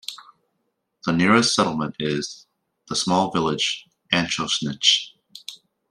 The nearest settlement is the small village, Achosnich.